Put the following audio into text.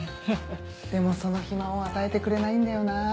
でもその暇を与えてくれないんだよな。